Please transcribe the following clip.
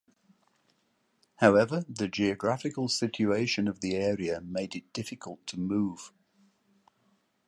However, the geographical situation of the area made it difficult to move.